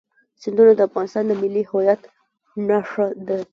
سیندونه د افغانستان د ملي هویت نښه ده.